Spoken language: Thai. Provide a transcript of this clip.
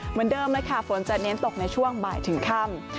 เหมือนเดิมเลยค่ะฝนจะเน้นตกในช่วงบ่ายถึงค่ำ